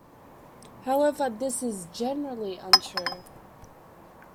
However, this is generally untrue.